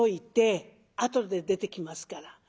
あとで出てきますから。